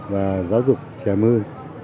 và giáo dục trẻ mươi